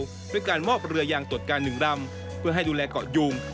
ด้วยการมอบเรือยางตรวจการ๑ลำเพื่อให้ดูแลเกาะยุง